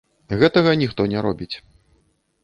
Гэтага ніхто не робіць.